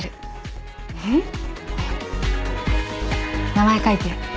名前書いて。